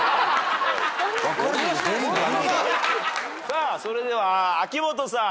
さあそれでは秋元さん。